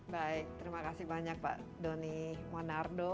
baik terima kasih banyak pak doni monardo